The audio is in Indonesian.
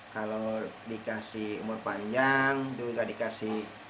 kalau dikasih umur panjang juga dikasih